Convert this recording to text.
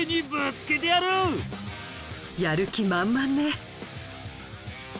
やる気満々ね。